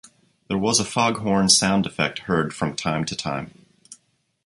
There was a foghorn sound effect heard from time to time.